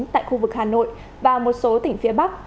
tại khu vực hà nội và một số tỉnh phía bắc